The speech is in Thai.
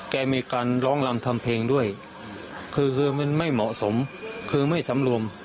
แกมีการร้องรำทำเพลงด้วยคือมันไม่เหมาะสม